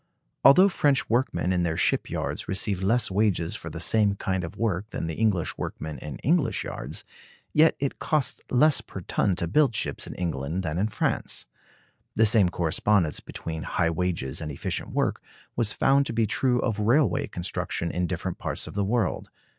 Although French workmen in their ship yards receive less wages for the same kind of work than the English workmen in English yards, yet it costs less per ton to build ships in England than in France. The same correspondence between high wages and efficient work was found to be true of railway construction in different parts of the world.